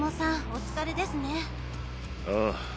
お疲れですねああ。